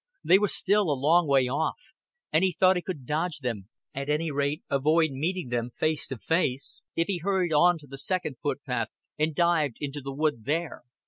They were still a long way off, and he thought he could dodge them, at any rate avoid meeting them face to face, if he hurried on to the second footpath and dived into the wood there.